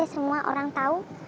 semua orang tahu